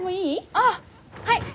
ああはい。